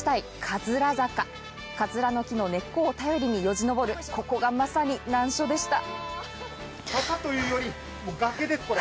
かずらの木の根っこを頼りによじ登る、ここがまさに難所でした。